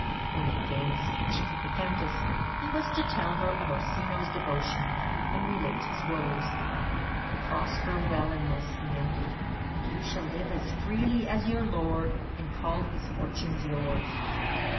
When he gained speech with the Countess, he was to tell her of Orsino's devotion, and relate his woes. "Prosper well in this," he ended, "and you shall live as freely as your lord, and call his fortunes yours."